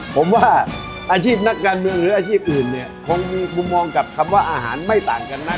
ผมว่าอาชีพนักการเมืองหรืออาชีพอื่นเนี่ยคงมีมุมมองกับคำว่าอาหารไม่ต่างกันนัก